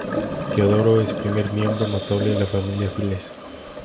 Teodoro es primer miembro notable de la familia Files.